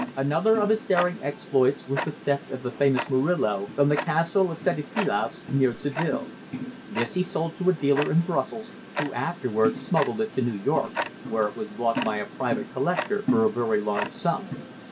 Another of his daring exploits was the theft of the famous Murillo from the Castle of Setefillas, near Seville. This he sold to a dealer in Brussels, who afterwards smuggled it to New York, where it was bought by a private collector for a very large sum.